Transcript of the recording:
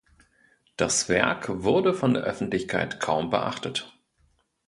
Das Werk wurde von der Öffentlichkeit kaum beachtet.